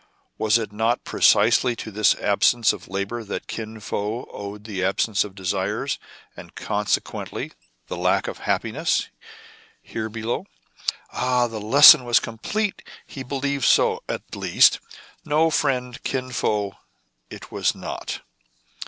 Was it not precisely to this absence of labor that Kin Fo owed the absence of desires, and, consequently, the lack of happiness here below } Ah ! the lesson was complete : he believed so, at least. No, friend Kin Fo, it was not.